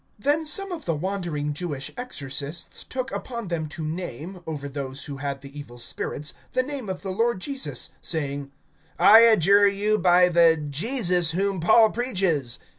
(13)Then some of the wandering Jewish exorcists took upon them to name, over those who had the evil spirits, the name of the Lord Jesus, saying: I adjure you by the Jesus whom Paul preaches.